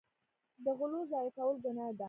د غلو ضایع کول ګناه ده.